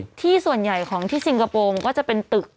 เมื่อก็ส่วนใหญ่ที่ซิงกาโปอล์มันก็จะเป็นตึก